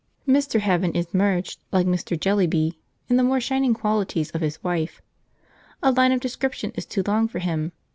{Mr. Heaven: p11.jpg} Mr. Heaven is merged, like Mr. Jellyby, in the more shining qualities of his wife. A line of description is too long for him.